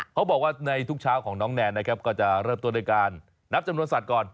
เขาบอกว่าในทุกเช้าของน้องแนนนะครับก็จะเริ่มต้นด้วยการนับจำนวนสัตว์ก่อน